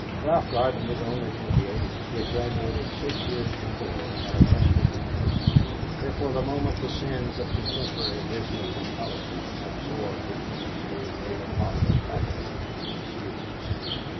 Ralph Gardner was only 28. He had graduated six years before at a Western university where for the moment the sins of contemporary business and politics absorbed the interest of the greater part of faculty and students.